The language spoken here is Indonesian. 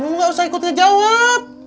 kamu gak usah ikut ngejawab